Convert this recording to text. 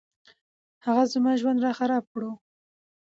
هغه زما ژوند راخراب کړو